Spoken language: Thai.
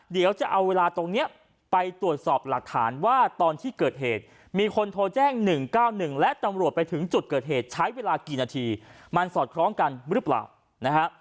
เดี๋ยวจะเอาเวลาตรงนี้ไปตรวจสอบหลักฐานว่าตอนที่เกิดเหตุมีคนโทรแจ้ง๑๙๑และตำรวจไปถึงจุดเกิดเหตุใช้เวลากี่นาทีมันสอดคล้องกันหรือเปล่านะฮะ